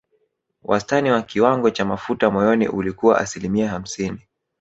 Wastani wa kiwango cha mafuta moyoni ulikuwa asilimia hamsini